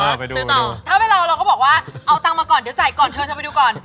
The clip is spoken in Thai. ถ้าไปรอเราก็บอกว่าเอาตังมาก่อนเดี๋ยวจ่ายก่อนเถอะไปดูก่อน